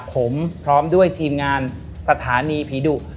ผมพร้อมด้วยทีมงานสถานีผีดุ